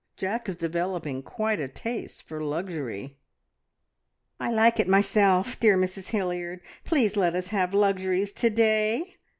Jack is developing quite a taste for luxury." "I like it myself. Dear Mrs Hilliard, please let us have luxuries to day!"